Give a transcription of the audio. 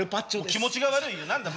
気持ちが悪いよ。